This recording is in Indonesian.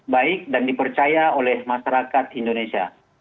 baik dan dipercaya oleh masyarakat indonesia